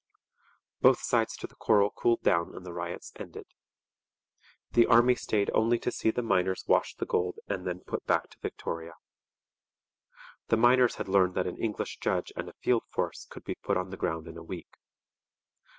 Both sides to the quarrel cooled down and the riots ended. The army stayed only to see the miners wash the gold and then put back to Victoria. The miners had learned that an English judge and a field force could be put on the ground in a week.